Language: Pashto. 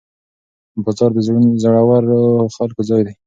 بازار د زړورو خلکو ځای دی.